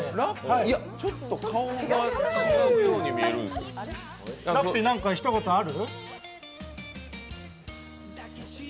いやちょっと顔が違うように見えるラッピー何かひと言ある？